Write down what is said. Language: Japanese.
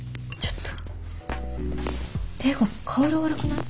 っていうか顔色悪くない？